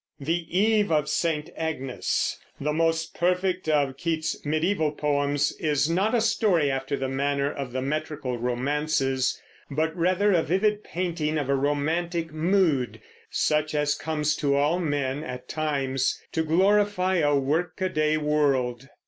"The Eve of St. Agnes," the most perfect of Keats's mediæval poems, is not a story after the manner of the metrical romances, but rather a vivid painting of a romantic mood, such as comes to all men, at times, to glorify a workaday world.